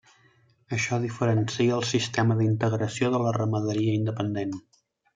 Això diferencia el sistema d'integració de la ramaderia independent.